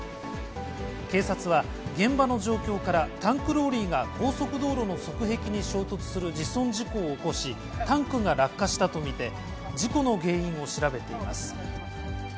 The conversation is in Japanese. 警察は、現場の状況からタンクローリーが高速道路の側壁に衝突する自損事故を起こし、タンクが落下したと見て、事故の原因を調べています。